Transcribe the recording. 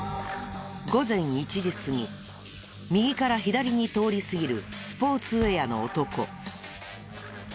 右から左に通り過ぎるスポーツウェアの男。